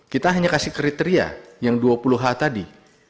kita hanya kasih kriteria yang dua puluh h tadi